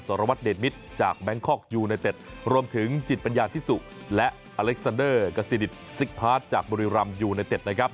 รวัตรเดชมิตรจากแบงคอกยูไนเต็ดรวมถึงจิตปัญญาธิสุและอเล็กซันเดอร์กัสซิดิตซิกพาร์ทจากบุรีรำยูไนเต็ดนะครับ